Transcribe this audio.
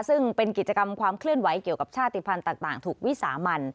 ซึ่งเป็นกิจกรรมความเคลื่อนไหวเกี่ยวกับชาติภัณฑ์ต่างถูกวิสามัน